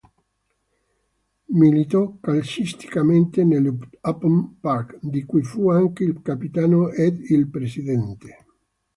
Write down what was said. Militò calcisticamente nell'Upton Park, di cui fu anche il capitano ed il presidente.